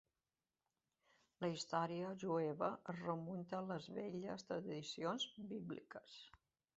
La història jueva es remunta a les velles tradicions bíbliques.